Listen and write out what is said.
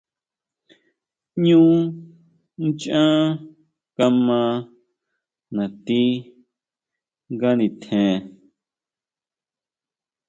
Ñú nchán kama nati nga nitjen.